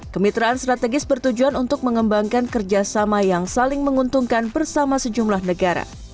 kemitraan strategis bertujuan untuk mengembangkan kerjasama yang saling menguntungkan bersama sejumlah negara